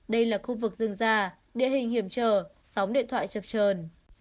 đây là khu vực rừng già địa hình hiểm trở sóng điện thoại chập trờn